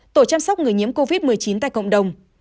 tổ chăm sóc người nhiễm covid một mươi chín tại cộng đồng